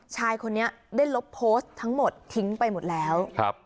ชายคนนี้ได้ลบโพสต์ทั้งหมดทิ้งไปหมดแล้ว